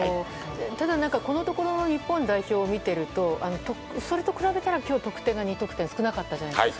ただ、このところの日本代表を見ているとそれと比べたら今日は得点が２得点と少なかったじゃないですか。